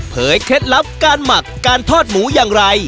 เคล็ดลับการหมักการทอดหมูอย่างไร